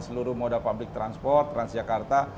seluruh modal public transport transjakarta